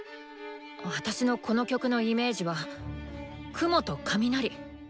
あたしのこの曲のイメージは「雲」と「雷」。